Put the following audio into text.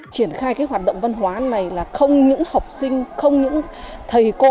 triển khai cái hoạt động văn hóa này là không những học sinh không những thầy cô